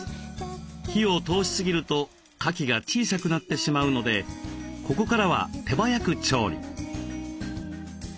火を通しすぎるとかきが小さくなってしまうのでここからは手早く調理。